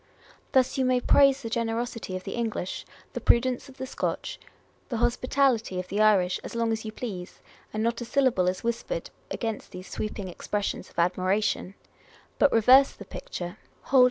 Thus you may praise the generosity of the English, the prudence of the Scotch, the hospitality of the Irish, as long as you please, and not a syllable is whispered against these sweeping expressions of admiration ; but reverse the picture, hold 330 On Personal Character.